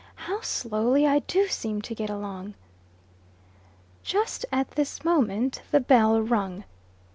How slowly I do seem to get along!" Just at this moment the bell rung.